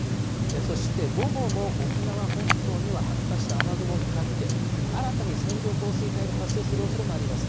そして午後も沖縄本島には発達した雨雲がかかって、新たに線状降水帯が発生するおそれもあります。